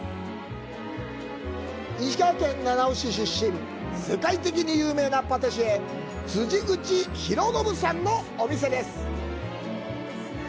石川県七尾市出身、世界的に有名なパティシエ、辻口博啓さんのお店です。